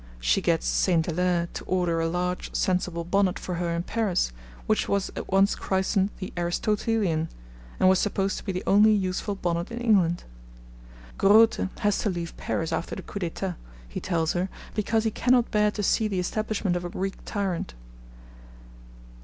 She gets St. Hilaire to order a large, sensible bonnet for her in Paris, which was at once christened the 'Aristotelian,' and was supposed to be the only useful bonnet in England. Grote has to leave Paris after the coup d'etat, he tells her, because he cannot bear to see the establishment of a Greek tyrant.